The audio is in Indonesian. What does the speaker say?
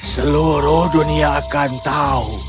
seluruh dunia akan tahu